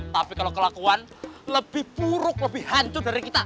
tapi kalau kelakuan lebih buruk lebih hancur dari kita